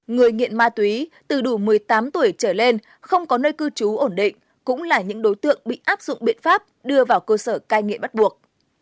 người nghiện ma túy từ đủ một mươi tám tuổi trở lên không có nơi cư trú ổn định cũng là những đối tượng bị áp dụng biện pháp đưa vào cơ sở cai nghiện bắt buộc